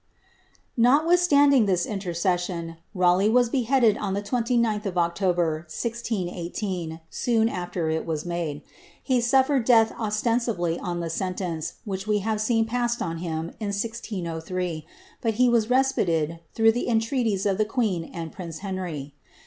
Notwithstanding this intercession, Raleigh was beheaded on the 29th of Octoher, 1618, soon after it was made. He suffered death ostensibly on the sentence which we have seen passed on him in 1603, but he was respited through the entreaties of the queen and prince Henry.